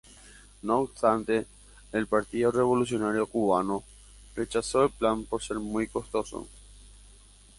No obstante, el Partido Revolucionario Cubano rechazó el plan por ser muy costoso.